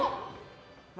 何？